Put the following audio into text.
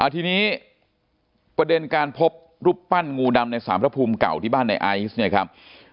ทีนี้ประเด็นการพบรูปปั้นงูดำในสารพระภูมิเก่าที่บ้านในไอซ์เนี่ยครับ